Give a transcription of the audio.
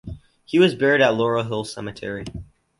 He was buried at Laurel Hill Cemetery.